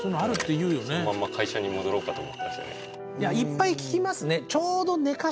いやいっぱい聞きますね。